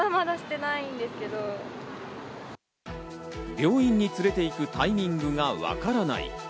病院に連れて行くタイミングがわからない。